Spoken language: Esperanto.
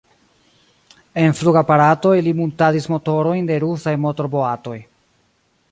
En flugaparatoj li muntadis motorojn de rusaj motorboatoj.